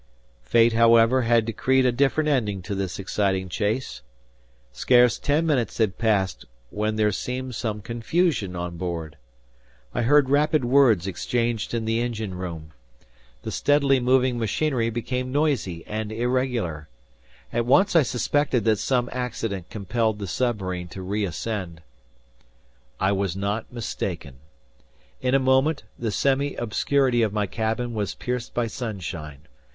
Fate, however, had decreed a different ending to this exciting chase. Scarce ten minutes had passed when there seemed some confusion on board. I heard rapid words exchanged in the engine room. The steadily moving machinery became noisy and irregular. At once I suspected that some accident compelled the submarine to reascend. I was not mistaken. In a moment, the semi obscurity of my cabin was pierced by sunshine.